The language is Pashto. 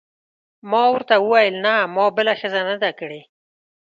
ما ورته وویل: نه، ما بله ښځه نه ده کړې.